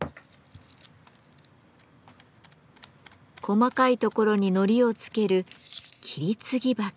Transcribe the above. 細かいところに糊をつける「切り継ぎ刷毛」。